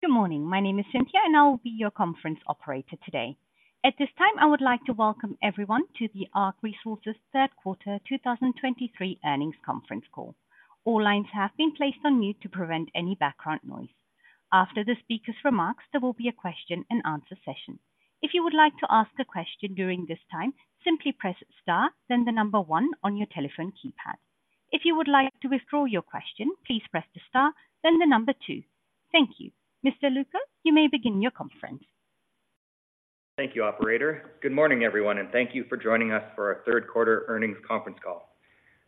Good morning. My name is Cynthia, and I will be your conference operator today. At this time, I would like to welcome everyone to the ARC Resources' Third Quarter 2023 Earnings Conference Call. All lines have been placed on mute to prevent any background noise. After the speaker's remarks, there will be a question-and-answer session. If you would like to ask a question during this time, simply press star, then the number one on your telephone keypad. If you would like to withdraw your question, please press the star, then the number two. Thank you. Uncertain, you may begin your conference. Thank you, operator. Good morning, everyone, and thank you for joining us for our third quarter earnings conference call.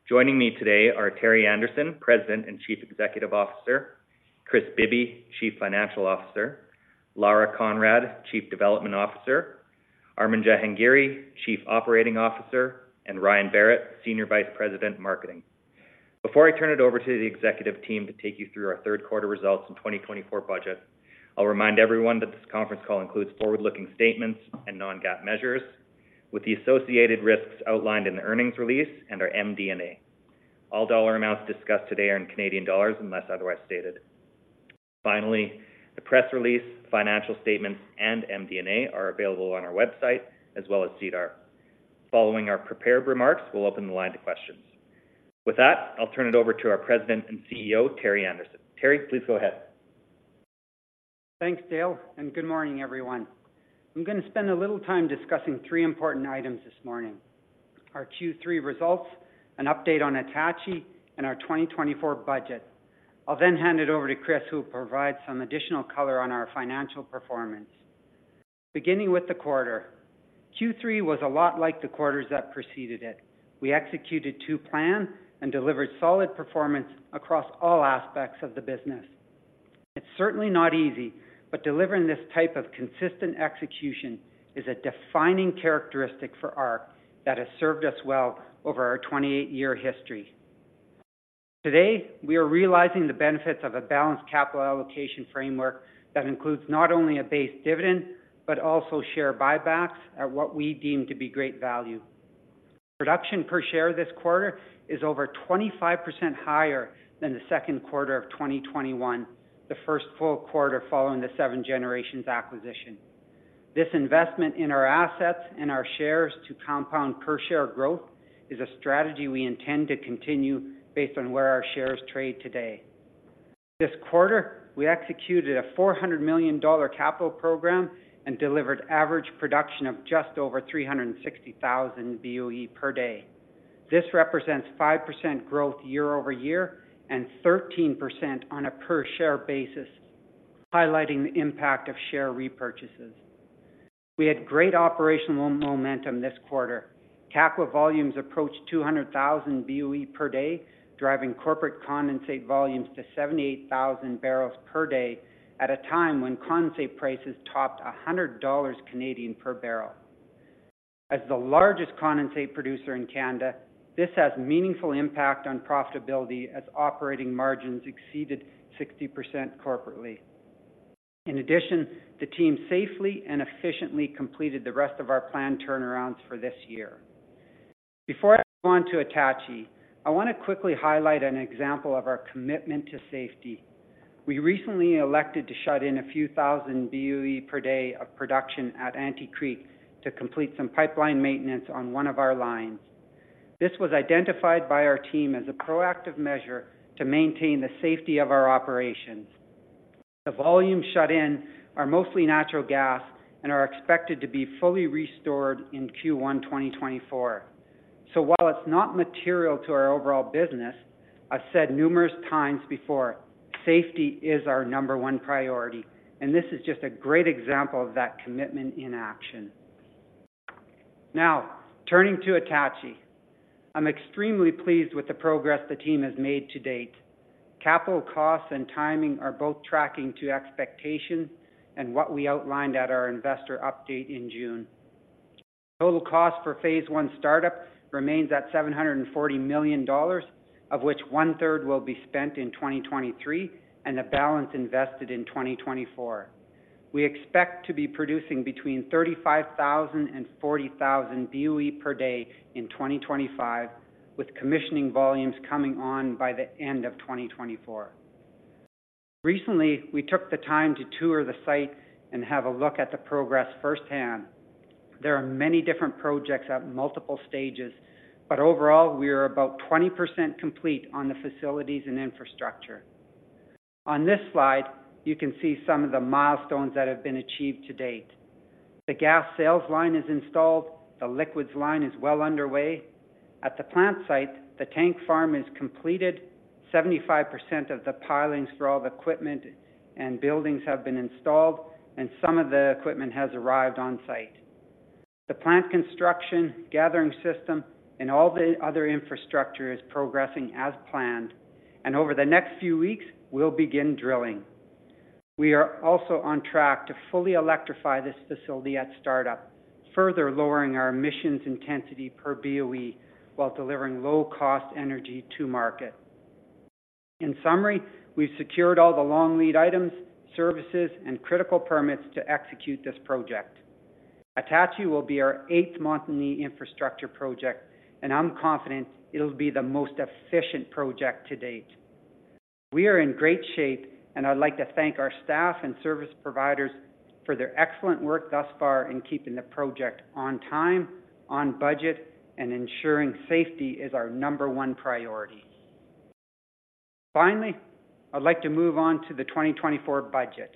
Joining me today are Terry Anderson, President and Chief Executive Officer; Kris Bibby, Chief Financial Officer; Lara Conrad, Chief Development Officer; Armin Jahangiri, Chief Operating Officer; and Ryan Berrett, Senior Vice President, Marketing. Before I turn it over to the executive team to take you through our third quarter results and 2024 budget, I'll remind everyone that this conference call includes forward-looking statements and non-GAAP measures, with the associated risks outlined in the earnings release and our MD&A. All dollar amounts discussed today are in Canadian dollars, unless otherwise stated. Finally, the press release, financial statements, and MD&A are available on our website as well as SEDAR. Following our prepared remarks, we'll open the line to questions. With that, I'll turn it over to our President and CEO, Terry Anderson. Terry, please go ahead. Thanks Dale, and good morning, everyone. I'm going to spend a little time discussing three important items this morning: our Q3 results, an update on Attachie, and our 2024 budget. I'll then hand it over to Kris, who will provide some additional color on our financial performance. Beginning with the quarter, Q3 was a lot like the quarters that preceded it. We executed to plan and delivered solid performance across all aspects of the business. It's certainly not easy, but delivering this type of consistent execution is a defining characteristic for ARC that has served us well over our 28-year history. Today, we are realizing the benefits of a balanced capital allocation framework that includes not only a base dividend, but also share buybacks at what we deem to be great value. Production per share this quarter is over 25% higher than the second quarter of 2021, the first full quarter following the Seven Generations acquisition. This investment in our assets and our shares to compound per share growth is a strategy we intend to continue based on where our shares trade today. This quarter, we executed a 400 million dollar capital program and delivered average production of just over 360,000 BOE/D. This represents 5% growth year-over-year and 13% on a per-share basis, highlighting the impact of share repurchases. We had great operational momentum this quarter. Kakwa volumes approached 200,000 BOE/D, driving corporate condensate volumes to 78,000 BOE/D at a time when condensate prices topped 100 Canadian dollars per barrel. As the largest condensate producer in Canada, this has meaningful impact on profitability as operating margins exceeded 60% corporately. In addition, the team safely and efficiently completed the rest of our planned turnarounds for this year. Before I move on to Attachie, I want to quickly highlight an example of our commitment to safety. We recently elected to shut in a few thousand BOE/D of production at Ante Creek to complete some pipeline maintenance on one of our lines. This was identified by our team as a proactive measure to maintain the safety of our operations. The volumes shut in are mostly natural gas and are expected to be fully restored in Q1 2024. So while it's not material to our overall business, I've said numerous times before, safety is our number one priority, and this is just a great example of that commitment in action. Now, turning to Attachie, I'm extremely pleased with the progress the team has made to date. Capital costs and timing are both tracking to expectation and what we outlined at our investor update in June. Total cost for Phase I startup remains at 740 million dollars, of which 1/3 will be spent in 2023 and the balance invested in 2024. We expect to be producing between 35,000 and 40,000 BOE/D in 2025, with commissioning volumes coming on by the end of 2024. Recently, we took the time to tour the site and have a look at the progress firsthand. There are many different projects at multiple stages, but overall, we are about 20% complete on the facilities and infrastructure. On this slide, you can see some of the milestones that have been achieved to date. The gas sales line is installed, the liquids line is well underway. At the plant site, the tank farm is completed, 75% of the pilings for all the equipment and buildings have been installed, and some of the equipment has arrived on-site. The plant construction, gathering system, and all the other infrastructure is progressing as planned, and over the next few weeks, we'll begin drilling. We are also on track to fully electrify this facility at startup, further lowering our emissions intensity per BOE while delivering low-cost energy to market. In summary, we've secured all the long lead items, services, and critical permits to execute this project. Attachie will be our eighth Montney infrastructure project, and I'm confident it'll be the most efficient project to date. We are in great shape, and I'd like to thank our staff and service providers for their excellent work thus far in keeping the project on time, on budget, and ensuring safety is our number one priority. Finally, I'd like to move on to the 2024 budget.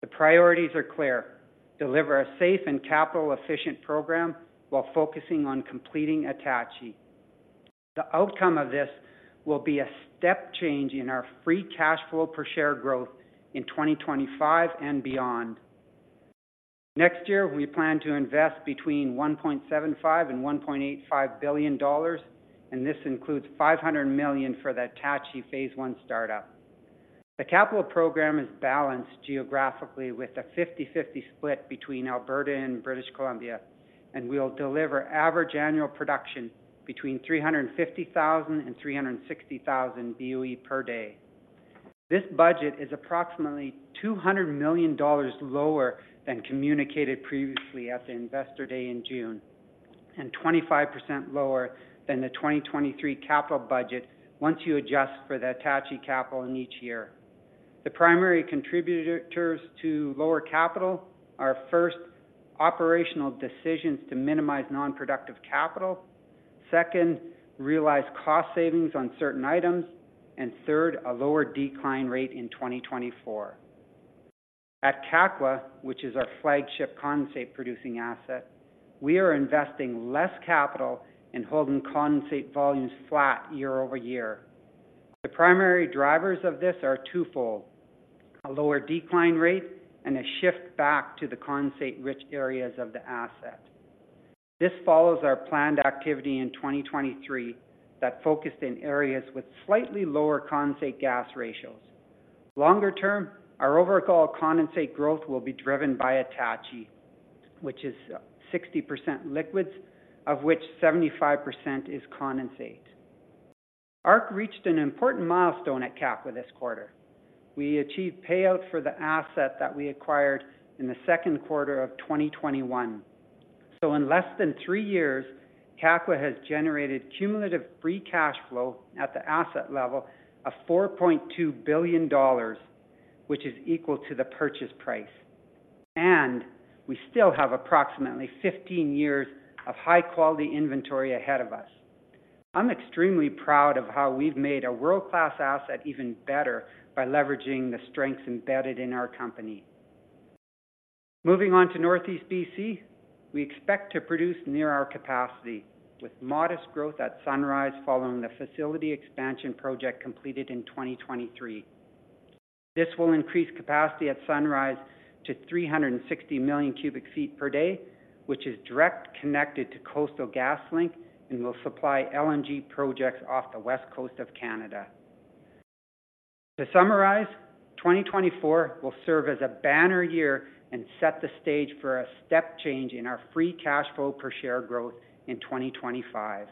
The priorities are clear: deliver a safe and capital-efficient program while focusing on completing Attachie. The outcome of this will be a step change in our free cash flow per share growth in 2025 and beyond. Next year, we plan to invest between 1.75 billion and 1.85 billion dollars, and this includes 500 million for the Attachie Phase I startup. The capital program is balanced geographically with a 50/50 split between Alberta and British Columbia, and we'll deliver average annual production between 350,000 and 360,000 BOE/D. This budget is approximately 200 million dollars lower than communicated previously at the Investor Day in June, and 25% lower than the 2023 capital budget once you adjust for the Attachie capital in each year. The primary contributors to lower capital are, first, operational decisions to minimize non-productive capital, second, realize cost savings on certain items, and third, a lower decline rate in 2024. At Kakwa, which is our flagship condensate producing asset, we are investing less capital and holding condensate volumes flat year-over-year. The primary drivers of this are twofold: a lower decline rate and a shift back to the condensate-rich areas of the asset. This follows our planned activity in 2023 that focused in areas with slightly lower condensate gas ratios. Longer term, our overall condensate growth will be driven by Attachie, which is, 60% liquids, of which 75% is condensate. ARC reached an important milestone at Kakwa this quarter. We achieved payout for the asset that we acquired in the second quarter of 2021. So in less than three years, Kakwa has generated cumulative free cash flow at the asset level of 4.2 billion dollars, which is equal to the purchase price, and we still have approximately 15 years of high-quality inventory ahead of us. I'm extremely proud of how we've made a world-class asset even better by leveraging the strengths embedded in our company. Moving on to Northeast BC, we expect to produce near our capacity, with modest growth at Sunrise following the facility expansion project completed in 2023. This will increase capacity at Sunrise to 360 million cubic feet per day, which is directly connected to Coastal GasLink and will supply LNG projects off the West Coast of Canada. To summarize, 2024 will serve as a banner year and set the stage for a step change in our free cash flow per share growth in 2025.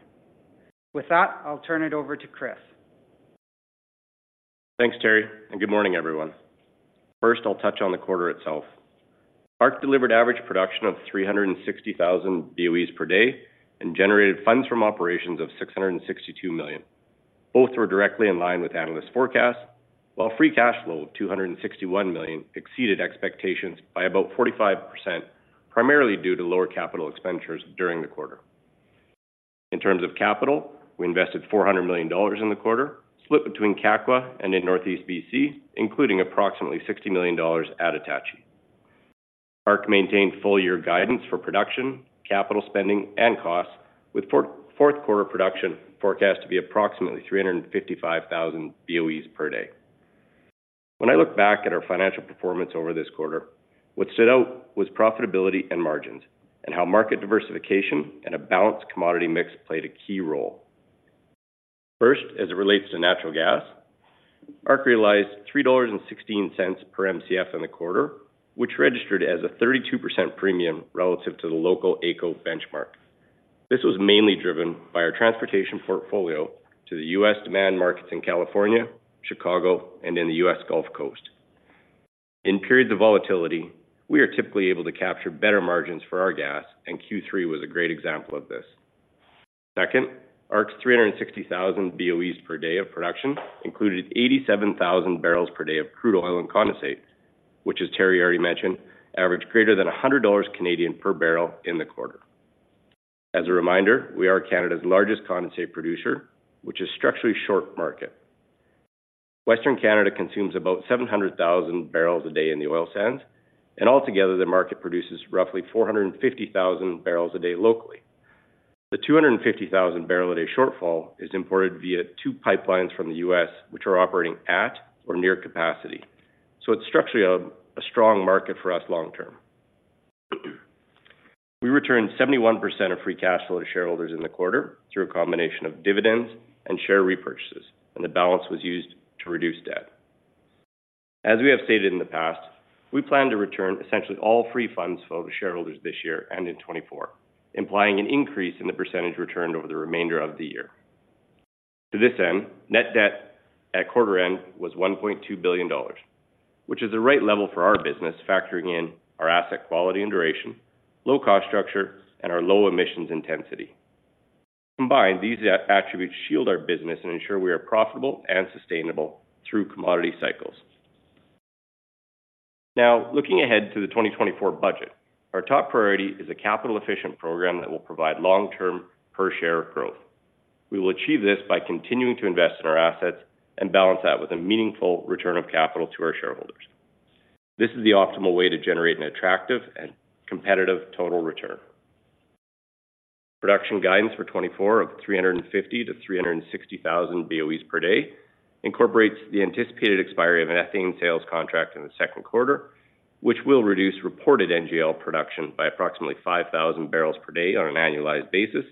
With that, I'll turn it over to Kris. Thanks, Terry, and good morning, everyone. First, I'll touch on the quarter itself. ARC delivered average production of 360,000 BOE/D and generated funds from operations of 662 million. Both were directly in line with analyst forecasts, while free cash flow of 261 million exceeded expectations by about 45%, primarily due to lower capital expenditures during the quarter. In terms of capital, we invested 400 million dollars in the quarter, split between Kakwa and in Northeast BC, including approximately 60 million dollars at Attachie. ARC maintained full-year guidance for production, capital spending, and costs, with fourth quarter production forecast to be approximately 355,000 BOE/D. When I look back at our financial performance over this quarter, what stood out was profitability and margins, and how market diversification and a balanced commodity mix played a key role. First, as it relates to natural gas, ARC realized $3.16 per Mcf in the quarter, which registered as a 32% premium relative to the local AECO benchmark. This was mainly driven by our transportation portfolio to the U.S. demand markets in California, Chicago, and in the U.S. Gulf Coast. In periods of volatility, we are typically able to capture better margins for our gas, and Q3 was a great example of this. Second, ARC's 360,000 BOE/D of production included 87,000 barrels per day of crude oil and condensate, which, as Terry already mentioned, averaged greater than 100 Canadian dollars per barrel in the quarter. As a reminder, we are Canada's largest condensate producer, which is structurally short market. Western Canada consumes about 700,000 barrels a day in the oil sands, and altogether, the market produces roughly 450,000 barrels a day locally. The 250,000 barrel a day shortfall is imported via two pipelines from the U.S., which are operating at or near capacity. So it's structurally a strong market for us long term. We returned 71% of free cash flow to shareholders in the quarter through a combination of dividends and share repurchases, and the balance was used to reduce debt. As we have stated in the past, we plan to return essentially all free funds flow to shareholders this year and in 2024, implying an increase in the percentage returned over the remainder of the year. To this end, net debt at quarter end was 1.2 billion dollars, which is the right level for our business, factoring in our asset quality and duration, low cost structure, and our low emissions intensity. Combined, these attributes shield our business and ensure we are profitable and sustainable through commodity cycles. Now, looking ahead to the 2024 budget, our top priority is a capital-efficient program that will provide long-term per share growth. We will achieve this by continuing to invest in our assets and balance that with a meaningful return of capital to our shareholders. This is the optimal way to generate an attractive and competitive total return. Production guidance for 2024 of 350,000-360,000 BOE/D incorporates the anticipated expiry of an ethane sales contract in the second quarter, which will reduce reported NGL production by approximately 5,000 barrels per day on an annualized basis.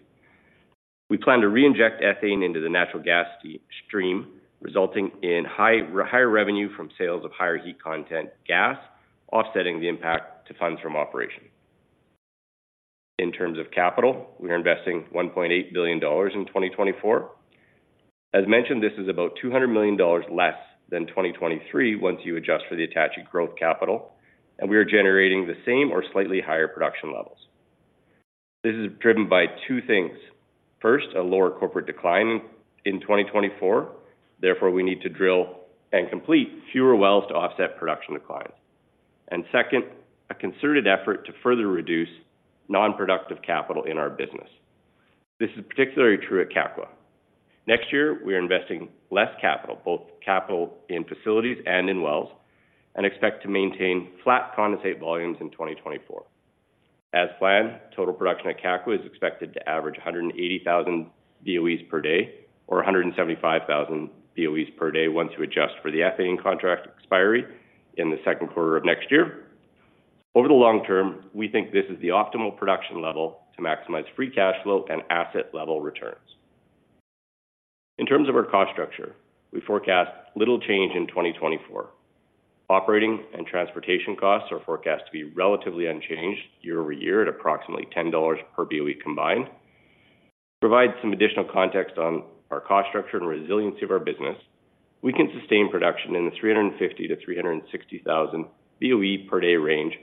We plan to reinject ethane into the natural gas stream, resulting in higher revenue from sales of higher heat content gas, offsetting the impact to funds from operations. In terms of capital, we are investing 1.8 billion dollars in 2024. As mentioned, this is about 200 million dollars less than 2023, once you adjust for the Attachie growth capital, and we are generating the same or slightly higher production levels. This is driven by two things. First, a lower corporate decline in 2024. Therefore, we need to drill and complete fewer wells to offset production declines. Second, a concerted effort to further reduce non-productive capital in our business. This is particularly true at Kakwa. Next year, we are investing less capital, both capital in facilities and in wells, and expect to maintain flat condensate volumes in 2024. As planned, total production at Kakwa is expected to average 180,000 BOE/D or 175,000 BOEs per day, once you adjust for the ethane contract expiry in the second quarter of next year. Over the long term, we think this is the optimal production level to maximize free cash flow and asset level returns. In terms of our cost structure, we forecast little change in 2024. Operating and transportation costs are forecast to be relatively unchanged year-over-year, at approximately 10 dollars per BOE combined. To provide some additional context on our cost structure and resiliency of our business, we can sustain production in the 350,000-360,000 BOE/D range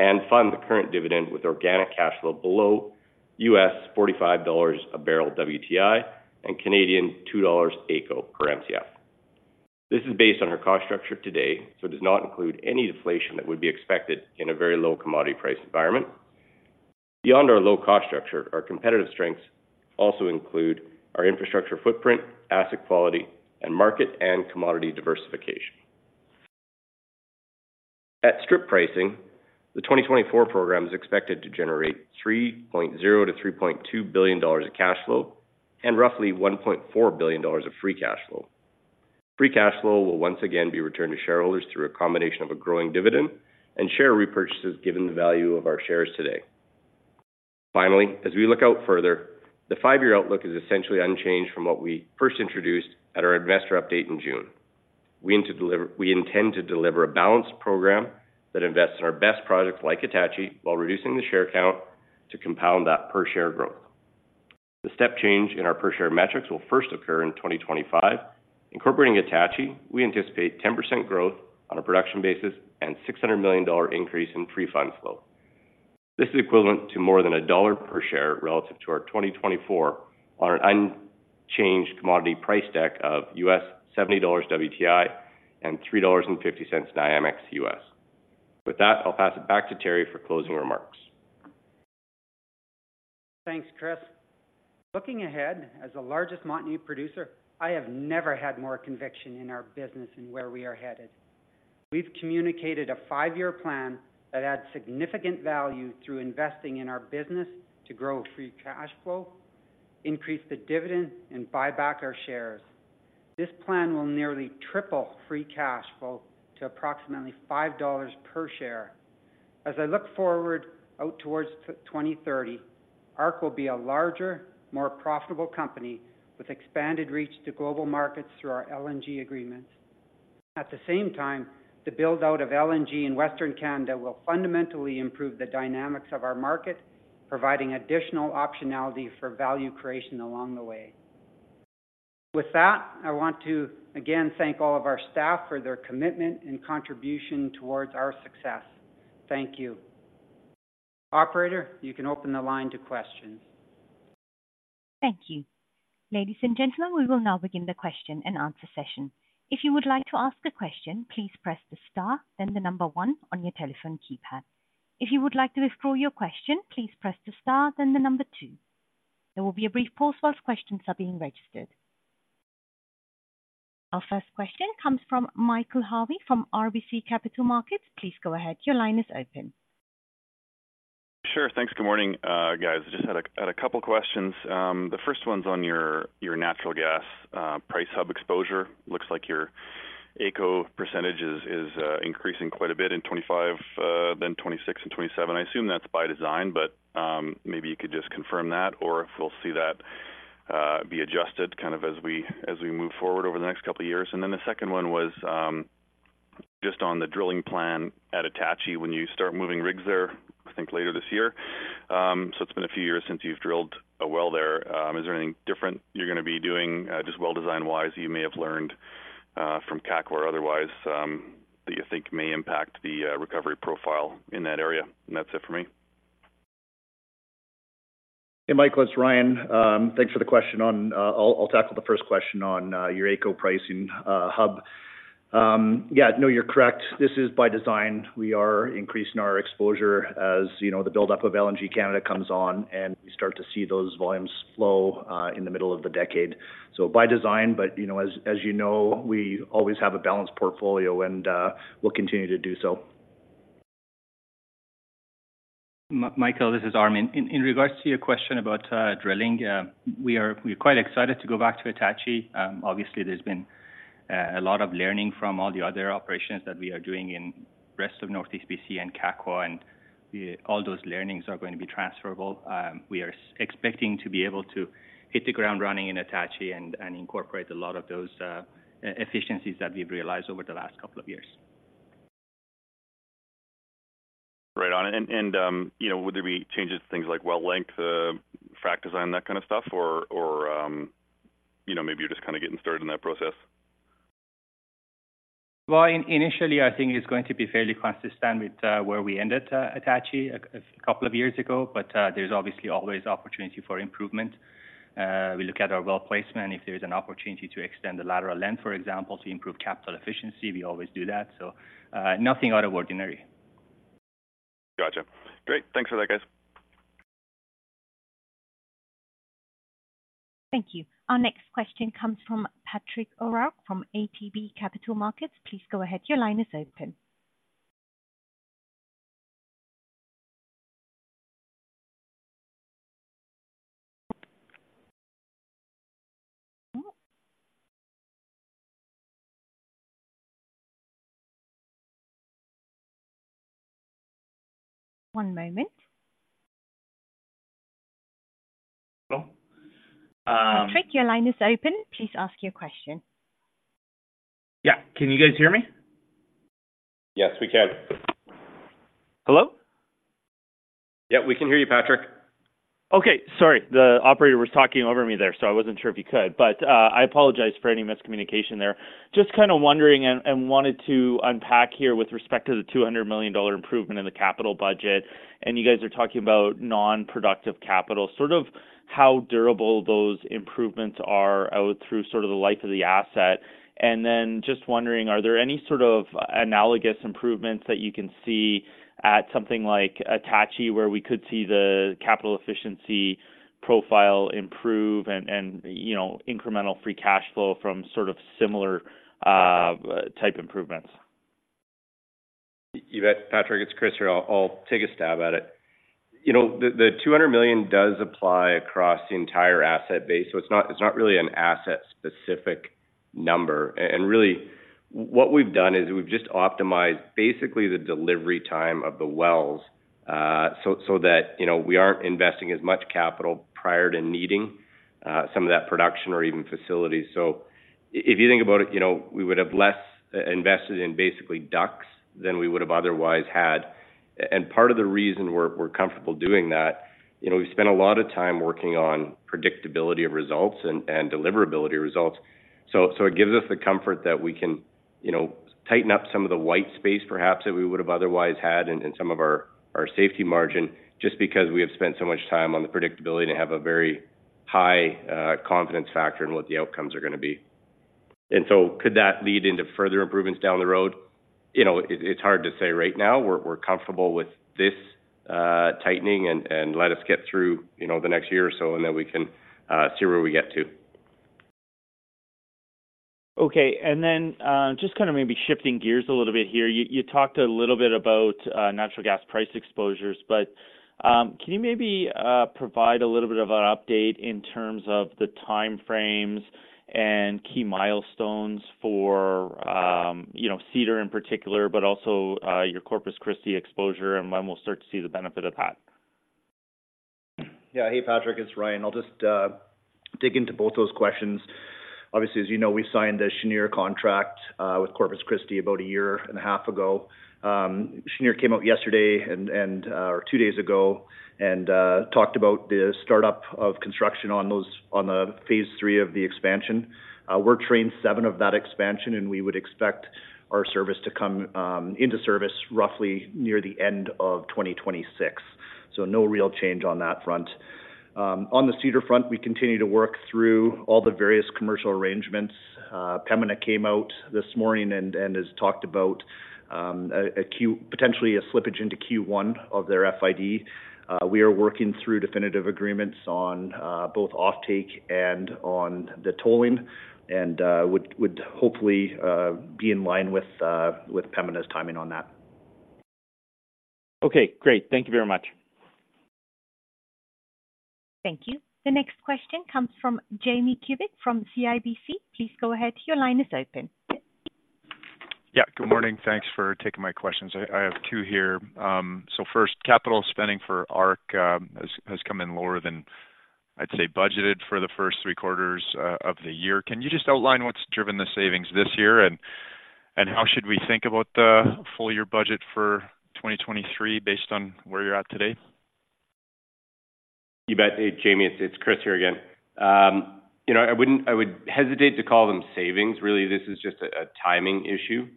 and fund the current dividend with organic cash flow below $45 a barrel WTI and 2 Canadian dollars AECO per Mcf. This is based on our cost structure today, so does not include any deflation that would be expected in a very low commodity price environment. Beyond our low cost structure, our competitive strengths also include our infrastructure footprint, asset quality, and market and commodity diversification. At strip pricing, the 2024 program is expected to generate 3.0 billion-3.2 billion dollars of cash flow and roughly 1.4 billion dollars of free cash flow. Free cash flow will once again be returned to shareholders through a combination of a growing dividend and share repurchases, given the value of our shares today. Finally, as we look out further, the five-year outlook is essentially unchanged from what we first introduced at our investor update in June. We intend to deliver, we intend to deliver a balanced program that invests in our best projects, like Attachie, while reducing the share count to compound that per share growth. The step change in our per share metrics will first occur in 2025. Incorporating Attachie, we anticipate 10% growth on a production basis and 600 million dollar increase in free cash flow. This is equivalent to more than CAD 1 per share relative to our 2024 on an unchanged commodity price deck of $70 WTI and $3.50 NYMEX US. With that, I'll pass it back to Terry for closing remarks. Thanks, Kris. Looking ahead, as the largest Montney producer, I have never had more conviction in our business and where we are headed. We've communicated a five-year plan that adds significant value through investing in our business to grow free cash flow, increase the dividend, and buy back our shares. This plan will nearly triple free cash flow to approximately 5 dollars per share. As I look forward out towards 2030, ARC will be a larger, more profitable company with expanded reach to global markets through our LNG agreements. At the same time, the build-out of LNG in Western Canada will fundamentally improve the dynamics of our market, providing additional optionality for value creation along the way. With that, I want to again thank all of our staff for their commitment and contribution towards our success. Thank you. Operator, you can open the line to questions. Thank you. Ladies and gentlemen, we will now begin the question-and-answer session. If you would like to ask a question, please press the star, then the number one on your telephone keypad. If you would like to withdraw your question, please press the star, then the number two. There will be a brief pause while questions are being registered. Our first question comes from Michael Harvey from RBC Capital Markets. Please go ahead. Your line is open. Sure. Thanks. Good morning, guys. I just had a couple questions. The first one's on your natural gas price hub exposure. Looks like your AECO percentage is increasing quite a bit in 25, then 26 and 27. I assume that's by design, but maybe you could just confirm that or if we'll see that be adjusted kind of as we move forward over the next couple of years. And then the second one was just on the drilling plan at Attachie, when you start moving rigs there, I think later this year, so it's been a few years since you've drilled a well there. Is there anything different you're going to be doing, just well design-wise, you may have learned, from Kakwa or otherwise, that you think may impact the recovery profile in that area? And that's it for me. Hey, Michael, it's Ryan. Thanks for the question. I'll tackle the first question on your AECO pricing hub. Yeah, no, you're correct. This is by design. We are increasing our exposure as, you know, the buildup of LNG Canada comes on, and we start to see those volumes flow in the middle of the decade. So by design, but, you know, as you know, we always have a balanced portfolio, and we'll continue to do so. Michael, this is Armin. In regards to your question about drilling, we're quite excited to go back to Attachie. Obviously, there's been a lot of learning from all the other operations that we are doing in rest of Northeast BC and Kakwa, and all those learnings are going to be transferable. We are expecting to be able to hit the ground running in Attachie and incorporate a lot of those efficiencies that we've realized over the last couple of years. Right on. And you know, would there be changes to things like well length, frack design, that kind of stuff, or you know, maybe you're just kind of getting started in that process? Well, initially, I think it's going to be fairly consistent with where we ended Attachie a couple of years ago, but there's obviously always opportunity for improvement. We look at our well placement, if there's an opportunity to extend the lateral length, for example, to improve capital efficiency, we always do that, so nothing out of ordinary. Gotcha. Great. Thanks for that, guys. Thank you. Our next question comes from Patrick O'Rourke, from ATB Capital Markets. Please go ahead. Your line is open. One moment. Hello. Patrick, your line is open. Please ask your question. Yeah, can you guys hear me? Yes, we can. Hello? Yeah, we can hear you, Patrick. Okay. Sorry, the operator was talking over me there, so I wasn't sure if you could, but I apologize for any miscommunication there. Just kind of wondering and wanted to unpack here with respect to the 200 million dollar improvement in the capital budget, and you guys are talking about non-productive capital. Sort of how durable those improvements are out through sort of the life of the asset. And then just wondering, are there any sort of analogous improvements that you can see at something like Attachie, where we could see the capital efficiency profile improve and, you know, incremental free cash flow from sort of similar type improvements? You bet, Patrick. It's Kris here. I'll take a stab at it. You know, the 200 million does apply across the entire asset base, so it's not really an asset-specific number. And really, what we've done is we've just optimized basically the delivery time of the wells, so that, you know, we aren't investing as much capital prior to needing some of that production or even facilities. So if you think about it, you know, we would have less invested in basically DUCs than we would have otherwise had. And part of the reason we're comfortable doing that, you know, we've spent a lot of time working on predictability of results and deliverability results. So it gives us the comfort that we can, you know, tighten up some of the white space, perhaps, that we would have otherwise had in some of our safety margin, just because we have spent so much time on the predictability to have a very high confidence factor in what the outcomes are going to be. And so could that lead into further improvements down the road? You know, it's hard to say right now. We're comfortable with this tightening and let us get through, you know, the next year or so, and then we can see where we get to. Okay. And then, just kind of maybe shifting gears a little bit here. You, you talked a little bit about, natural gas price exposures, but, can you maybe, provide a little bit of an update in terms of the time frames and key milestones for, you know, Cedar in particular, but also, your Corpus Christi exposure, and when we'll start to see the benefit of that? Yeah. Hey, Patrick, it's Ryan. I'll just dig into both those questions. Obviously, as you know, we signed a Cheniere contract with Corpus Christi about a year and a half ago. Cheniere came out yesterday and, or two days ago, and talked about the startup of construction on those on the Phase III of the expansion. We're train seven of that expansion, and we would expect our service to come into service roughly near the end of 2026. So no real change on that front. On the Cedar front, we continue to work through all the various commercial arrangements. Pembina came out this morning and has talked about potentially a slippage into Q1 of their FID. We are working through definitive agreements on both offtake and on the tolling, and would hopefully be in line with Pembina's timing on that. Okay, great. Thank you very much. Thank you. The next question comes from Jamie Kubik, from CIBC. Please go ahead. Your line is open. Yeah, good morning. Thanks for taking my questions. I have two here. So first, capital spending for ARC has come in lower than, I'd say, budgeted for the first three quarters of the year. Can you just outline what's driven the savings this year, and, and how should we think about the full year budget for 2023 based on where you're at today? You bet. Hey, Jamie, it's Kris here again. You know, I would hesitate to call them savings. Really, this is just a timing issue.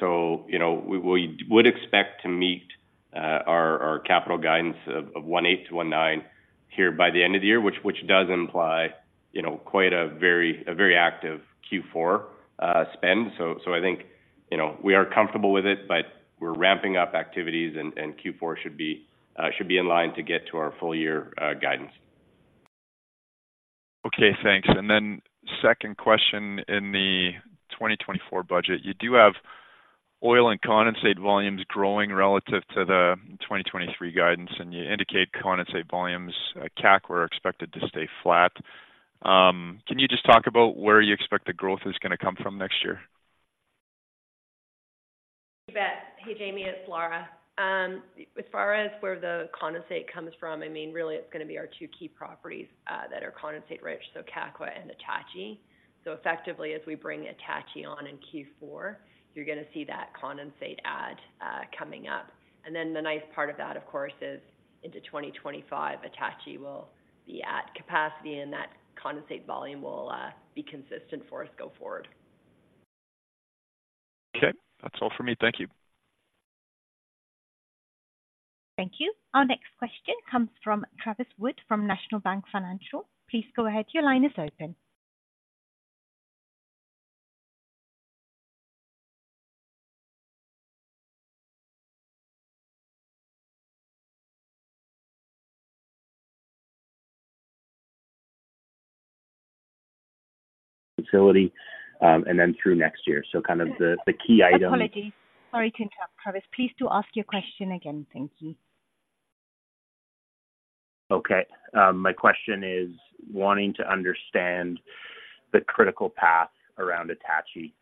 So, you know, we would expect to meet our capital guidance of 180-190 here by the end of the year, which does imply, you know, quite a very active Q4 spend. So I think, you know, we are comfortable with it, but we're ramping up activities and Q4 should be in line to get to our full year guidance. Okay, thanks. And then second question: in the 2024 budget, you do have oil and condensate volumes growing relative to the 2023 guidance, and you indicate condensate volumes at Kakwa are expected to stay flat. Can you just talk about where you expect the growth is gonna come from next year? You bet. Hey, Jamie, it's Lara. As far as where the condensate comes from, I mean, really, it's gonna be our two key properties that are condensate-rich, so Kakwa and Attachie. So effectively, as we bring Attachie on in Q4, you're gonna see that condensate add coming up. And then the nice part of that, of course, is into 2025, Attachie will be at capacity, and that condensate volume will be consistent for us go forward. Okay, that's all for me. Thank you. Thank you. Our next question comes from Travis Wood, from National Bank Financial. Please go ahead. Your line is open. Facility, and then through next year. So kind of the key item. Apologies. Sorry to interrupt, Travis. Please do ask your question again. Thank you. Okay, my question is wanting to understand the critical path around Attachie.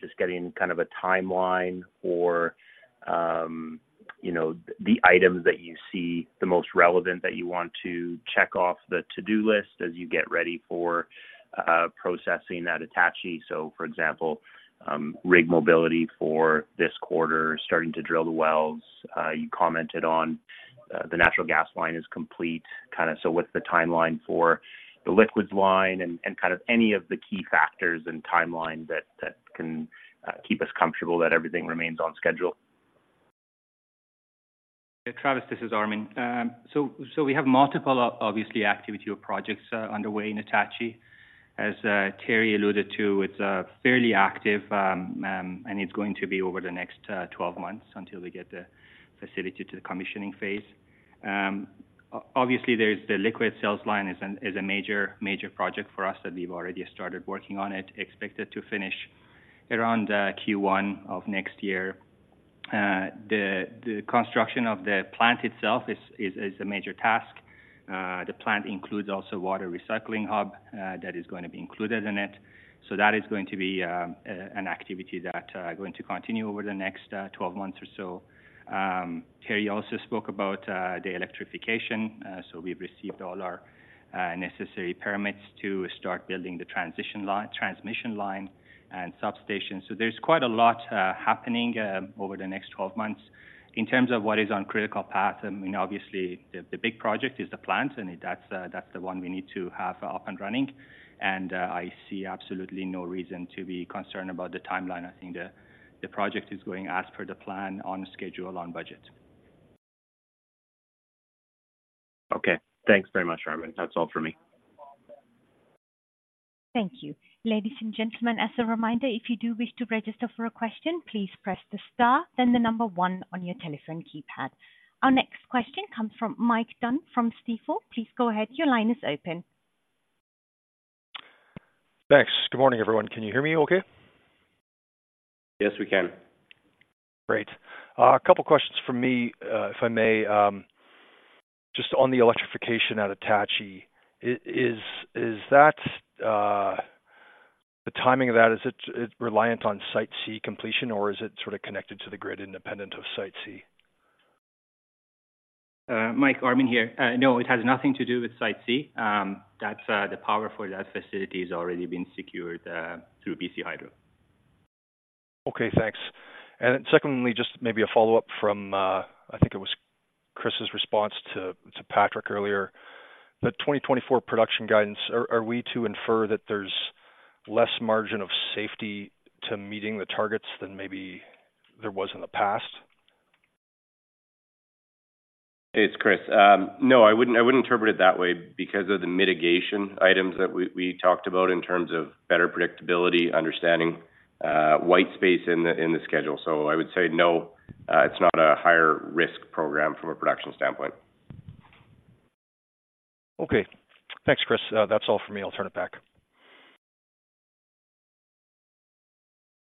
Just getting kind of a timeline or, you know, the items that you see the most relevant, that you want to check off the to-do list as you get ready for, processing that Attachie. So for example, rig mobility for this quarter, starting to drill the wells. You commented on, the natural gas line is complete. Kind of, so what's the timeline for the liquids line and kind of any of the key factors and timelines that can keep us comfortable that everything remains on schedule? Travis, this is Armin. So we have multiple, obviously, activity or projects underway in Attachie. As Terry alluded to, it's fairly active, and it's going to be over the next 12 months until we get the facility to the commissioning phase. Obviously, there's the liquid sales line is an is a major, major project for us that we've already started working on it. Expected to finish around Q1 of next year. The construction of the plant itself is a major task. The plant includes also water recycling hub that is gonna be included in it. So that is going to be an activity that is going to continue over the next 12 months or so. Terry also spoke about the electrification. So we've received all our necessary permits to start building the transmission line and substation. So there's quite a lot happening over the next 12 months. In terms of what is on critical path, I mean, obviously, the big project is the plant, and that's the one we need to have up and running, and I see absolutely no reason to be concerned about the timeline. I think the project is going as per the plan, on schedule, on budget. Okay. Thanks very much, Armin. That's all for me. Thank you. Ladies and gentlemen, as a reminder, if you do wish to register for a question, please press the star, then the number one on your telephone keypad. Our next question comes from Mike Dunn, from Stifel. Please go ahead. Your line is open. Thanks. Good morning, everyone. Can you hear me okay? Yes, we can. Great. A couple questions from me, if I may. Just on the electrification at Attachie, is the timing of that reliant on Site C completion, or is it sort of connected to the grid independent of Site C? Mike, Armin here. No, it has nothing to do with Site C. That's the power for that facility has already been secured through BC Hydro. Okay, thanks. And secondly, just maybe a follow-up from, I think it was Kris's response to Patrick earlier. The 2024 production guidance, are we to infer that there's less margin of safety to meeting the targets than maybe there was in the past? It's Kris. No, I wouldn't interpret it that way because of the mitigation items that we talked about in terms of better predictability, understanding white space in the schedule. So I would say, no, it's not a higher risk program from a production standpoint. Okay. Thanks, Kris. That's all for me. I'll turn it back.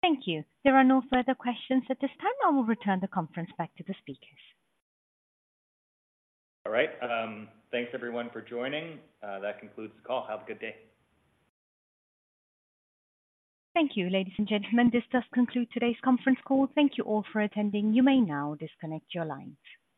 Thank you. There are no further questions at this time. I will return the conference back to the speakers. All right. Thanks, everyone, for joining. That concludes the call. Have a good day. Thank you, ladies and gentlemen, this does conclude today's conference call. Thank you all for attending. You may now disconnect your lines.